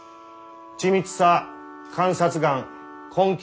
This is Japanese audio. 緻密さ観察眼根気強さ。